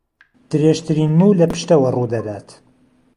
درێژترین موو لە پشتەوە ڕوو دەدات